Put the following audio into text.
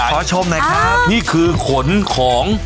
สวัสดีค่ะขอชมนะค่ะนี่คือขนของ